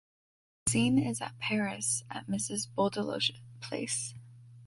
The scene is at Paris, at Mrs Beaudeloche’ place.